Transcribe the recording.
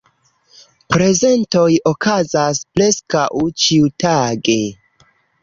Prezentoj okazas preskaŭ ĉiutage.